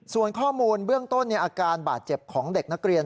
ส่วนข้อมูลเบื้องต้นอาการบาดเจ็บของเด็กนักเรียน